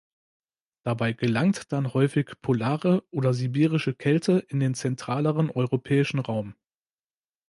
Dabei gelangt dann häufig polare oder sibirische Kälte in den zentraleren europäischen Raum.